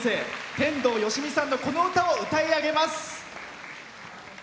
天童よしみさんのこの歌を歌い上げます。